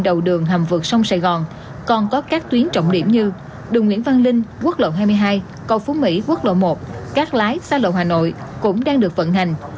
đầu đường hầm vượt sông sài gòn còn có các tuyến trọng điểm như đường nguyễn văn linh quốc lộ hai mươi hai cầu phú mỹ quốc lộ một cát lái xa lộ hà nội cũng đang được vận hành